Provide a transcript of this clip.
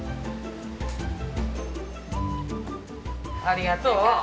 ありがとう。